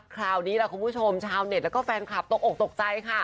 คราวนี้คุณผู้ชมชาวเน็ตและแฟนคลับตกอกตกใจครับ